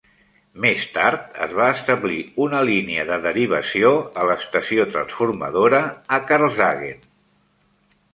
Més tard, es va establir una línia de derivació a l'estació transformadora a Karlshagen.